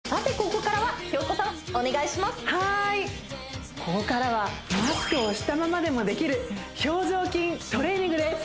ここからはマスクをしたままでもできる表情筋トレーニングです！